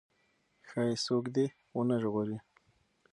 ښايي څوک دې ونه ژغوري.